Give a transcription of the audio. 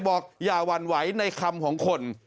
บอกอย่าหวั่นไหวในคำของคน